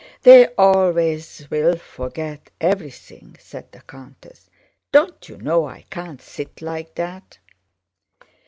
"They always will forget everything!" said the countess. "Don't you know I can't sit like that?"